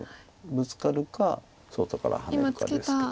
ブツカるか外からハネるかですけど。